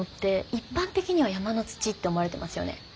一般的には山の土って思われてますよね？